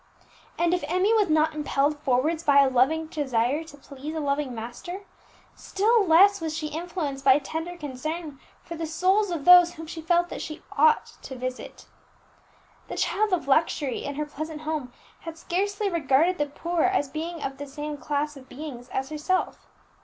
And if Emmie was not impelled forwards by a loving desire to please a loving Master, still less was she influenced by tender concern for the souls of those whom she felt that she ought to visit. The child of luxury, in her pleasant home, had scarcely regarded the poor as being of the same class of beings as herself.